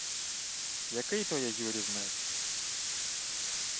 — Який то є Юрів меч?